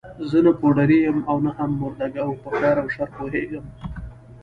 زه نه پوډري یم او نه هم مرده ګو، په خیر او شر پوهېږم.